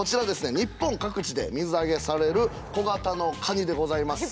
日本各地で水揚げされる小型のカニでございます。